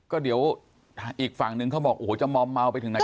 ก็เดี๋ยวอีกฝั่งนึงเขาบอกโอ้โหจะมอมเมาไปถึงไหน